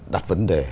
đặt vấn đề